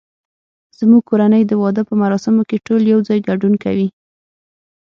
زمونږ کورنۍ د واده په مراسمو کې ټول یو ځای ګډون کوي